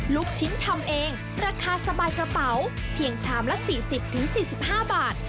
ลูกชิ้นทำเองราคาสบายกระเป๋าเพียงชามละ๔๐๔๕บาท